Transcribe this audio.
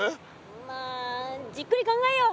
まあじっくり考えよう！